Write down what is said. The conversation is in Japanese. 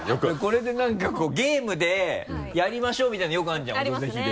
これでなんかこうゲームでやりましょうみたいなのよくあるじゃん「オドぜひ」で。